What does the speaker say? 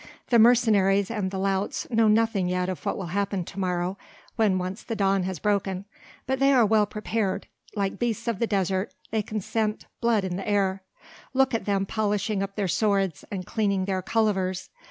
The mercenaries and the louts know nothing yet of what will happen to morrow when once the dawn has broken but they are well prepared; like beasts of the desert they can scent blood in the air; look at them polishing up their swords and cleaning their cullivers!